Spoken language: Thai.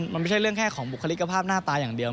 มันไม่ใช่เรื่องแค่ของบุคลิกภาพหน้าตาอย่างเดียว